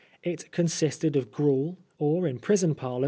It consisted of gruel, or, in prison parlance